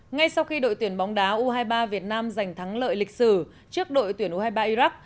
ngay sau khi đội tuyển bóng đá u hai mươi ba việt nam giành thắng lợi lịch sử trước đội tuyển u hai mươi ba iraq